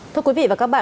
thưa quý vị và các bạn